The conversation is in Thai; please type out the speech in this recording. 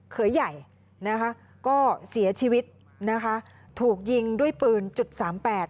เขยใหญ่นะคะก็เสียชีวิตนะคะถูกยิงด้วยปืนจุดสามแปด